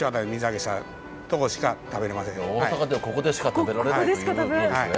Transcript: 大阪ではここでしか食べられないということですね。